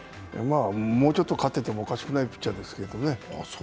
もうちょっと勝ててもいいピッチャーですけどね。